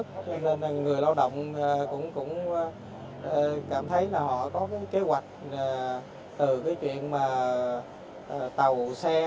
cho nên là người lao động cũng cảm thấy là họ có cái kế hoạch từ cái chuyện mà tàu vụ xe